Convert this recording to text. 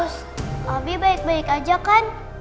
suster abi baik baik aja kan